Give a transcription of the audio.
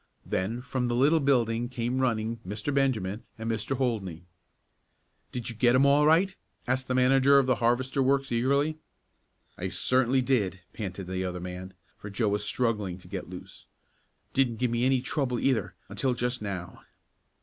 Then from the little building came running Mr. Benjamin and Mr. Holdney. "Did you get him all right?" asked the manager of the harvester works eagerly. "I certainly did," panted the other man, for Joe was struggling to get loose. "Didn't give me any trouble either, until just now."